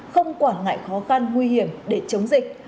không quản ngại khó khăn nguy hiểm để chống dịch